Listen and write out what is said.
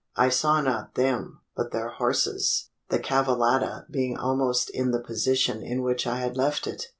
I saw not them, but their horses the cavallada being almost in the position in which I had left it!